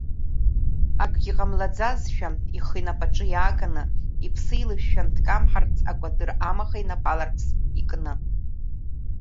Акгьы ҟамлаӡазшәа ихы инапаҿы иааганы, иԥсы илышәшәан дкамҳарц, акәадыр амаха инапы аларԥс икны…